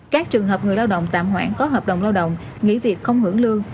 các trường hợp người lao động tạm hoãn có hợp đồng lao động nghỉ việc không hưởng lương